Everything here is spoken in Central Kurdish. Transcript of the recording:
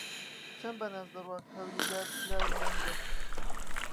چەند بە ناز دەڕوات هەوری لار بە لارو لەنجە